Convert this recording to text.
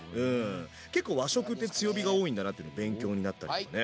結構和食って強火が多いんだなってのが勉強になったんだよね。